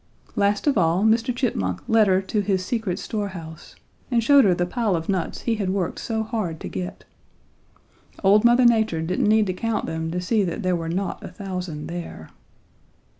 "Last of all Mr. Chipmunk led her to his secret store house and showed her the pile of nuts he had worked so hard to get. Old Mother Nature didn't need to count them to see that there were not a thousand there.